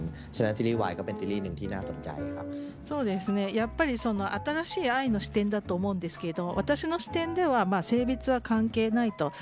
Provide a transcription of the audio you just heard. やっぱり新しい愛の視点だと思うんですけれども私の視点では性別は関係ないと。